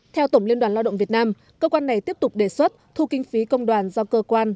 theo tổng liên đoàn lao động việt nam cơ quan này tiếp tục đề xuất thu kinh phí công đoàn do cơ quan